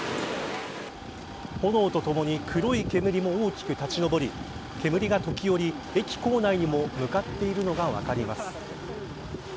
炎とともに黒い煙も大きく立ちのぼり煙が時折駅構内にも向かっているのが分かります。